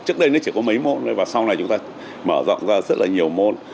trước đây nó chỉ có mấy môn và sau này chúng ta mở rộng ra rất là nhiều môn